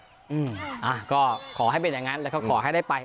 อ่าก็ขอให้เป็นอย่างนั้นแล้วก็ขอให้ได้ไป